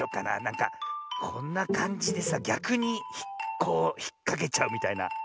なんかこんなかんじでさぎゃくにこうひっかけちゃうみたいな。